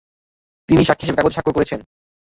তিনি সাক্ষী হিসেবে কাগজে স্বাক্ষর করেছেন।